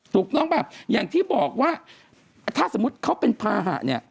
ถูกต้องป่ะอย่างที่บอกว่าถ้าสมมุติเขาเป็นภาหะเนี่ย